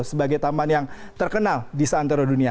sebagai taman yang terkenal di seantero dunia